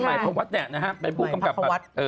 พระเกาะวัดไม่ใช่พวกป้าเกาะวัด